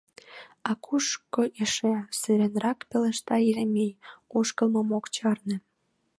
— А кушко эше? — сыренрак пелешта Еремей, ошкылмым ок чарне.